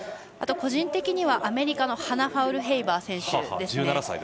個人的にはアメリカのハナ・ファウルヘイバー選手。